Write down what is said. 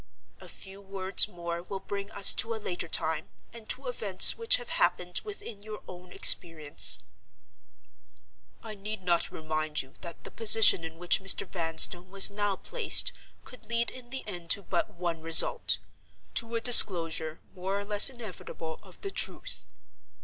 "A few words more will bring us to a later time, and to events which have happened within your own experience. "I need not remind you that the position in which Mr. Vanstone was now placed could lead in the end to but one result—to a disclosure, more or less inevitable, of the truth.